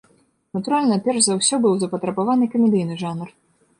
Натуральна, перш за ўсё быў запатрабаваны камедыйны жанр.